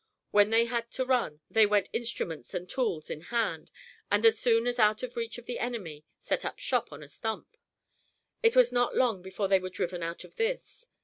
When they had to run, they went instruments and tools in hand, and as soon as out of reach of the enemy set up shop on a stump. It was not long before they were driven out of this.